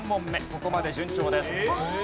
ここまで順調です。